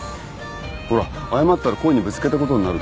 ほら謝ったら故意にぶつけたことになるでしょ。